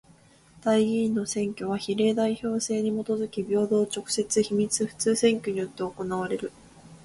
代議員の選挙は比例代表制にもとづき平等、直接、秘密、普通選挙によって行われる。